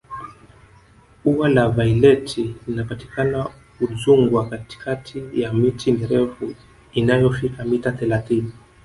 ua la vaileti linapatikana udzungwa katikati ya miti mirefu inayofika mita thelathini